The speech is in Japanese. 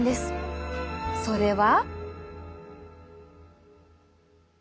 それは。